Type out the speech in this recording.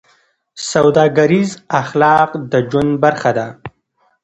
سوداګریز اخلاق د ژوند برخه ده.